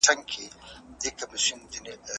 هغې وویل ورزش د عضلو فعالیت ښه کوي.